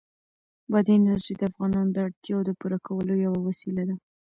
بادي انرژي د افغانانو د اړتیاوو د پوره کولو یوه وسیله ده.